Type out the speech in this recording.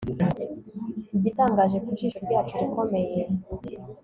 igitangaje ku jisho ryacu rikomeye